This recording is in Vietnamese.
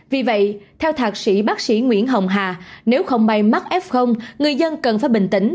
vì vậy theo thạc sĩ bác sĩ nguyễn hồng hà nếu không may mắc f người dân cần phải bình tĩnh